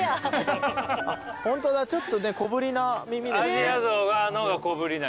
ホントだちょっと小ぶりな耳ですね。